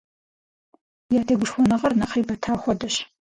Я тегушхуэныгъэр нэхъри бэта хуэдэщ.